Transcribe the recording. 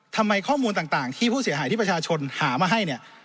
ทำไมข้อมูลต่างที่ผู้เสียหายที่ประชาชนหามาให้เนี่ย